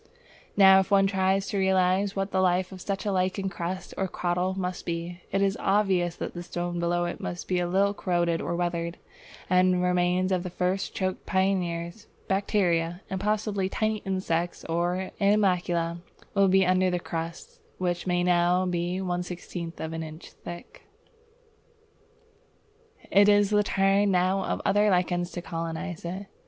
Now if one tries to realize what the life of such a lichen crust or crottle must be, it is obvious that the stone below it must be a little corroded or weathered, and remains of the first choked pioneers, bacteria, and possibly tiny insects or animalcula will be under the crust, which may now be one sixteenth of an inch thick. It is the turn now of other lichens to colonize it.